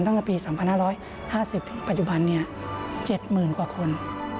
ตั้งแต่ปี๓๕๕๐ปัจจุบัน๗หมื่นกว่าคน